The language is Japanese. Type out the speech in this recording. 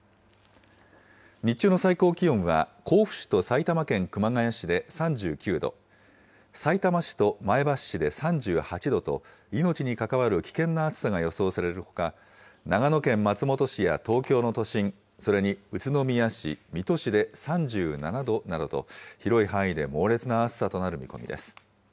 日中の最高気温は、甲府市と埼玉県熊谷市で３９度、さいたま市と前橋市で３８度と、命に関わる危険な暑さが予想されるほか、長野県松本市や東京の都心、それに宇都宮市、水戸市で３７度などと、広い範囲で猛烈な暑さとなる見込みです。